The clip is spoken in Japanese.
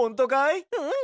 うん！